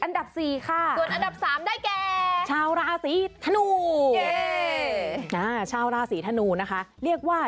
อันดับ๔ค่ะส่วนอันดับ๓ได้แก่ชาวราศีธนูชาวราศีธนูนะคะเรียกว่า